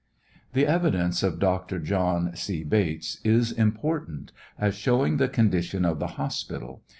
The evidence of Dr. John C. Bates is important, as showing the condition of the hospital.